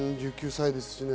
１９歳ですしね。